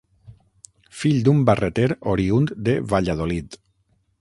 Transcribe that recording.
Fill d'un barreter oriünd de Valladolid.